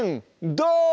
どう！